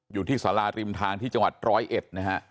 อยู่ที่สาราริมทางที่จังหวัดร้อยเอ็ดนะฮะ